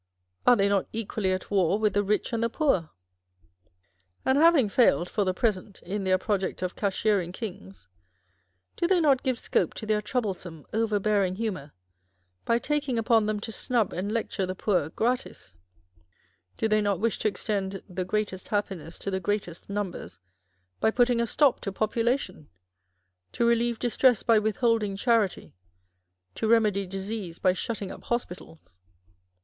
Are they not equally at war with the rich and the poor? And having failed (for the present) in their project of cashiering kings, do they not give scope to their troublesome, overbearing humour, by taking upon them to snub and lecture the poor gratis 1 Do they not wish to extend " the greatest happiness to the greatest numbers," by putting a stop to population â€" to relieve distress by withholding charity, to remedy disease by shutting up hospitals